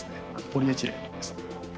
ポリエチレンです。